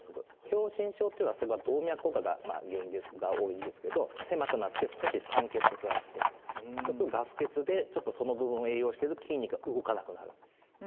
狭心症というのはそこは動脈硬化がまあ原因が多いんですけど狭くなって少し酸欠をくらってガス欠でちょっとその部分を栄養としてる筋肉が動かなくなる。